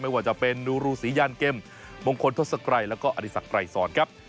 ว่าจะเป็นนูรูศรียันเกมมงคลทศกรัยแล้วก็อดีศักดรายสอนครับ